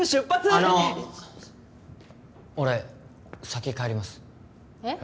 あの俺先帰りますえっ？